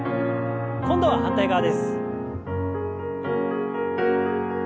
今度は反対側です。